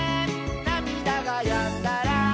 「なみだがやんだら」